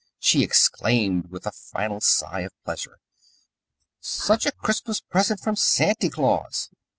she exclaimed with a final sigh of pleasure. "Such a Christmas present from Santy Claus!